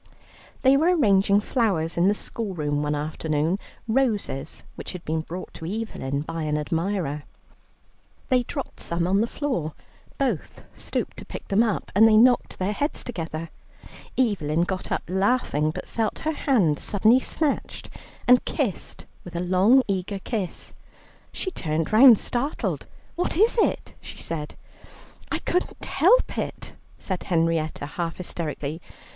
They were arranging flowers in the school room one afternoon, roses which had been brought to Evelyn by an admirer. They dropped some on the floor, both stooped to pick them up, and they knocked their heads together. Evelyn got up laughing, but felt her hand suddenly snatched, and kissed with a long, eager kiss. She turned round, startled. "What is it?" she said. "I couldn't help it," said Henrietta, half hysterically.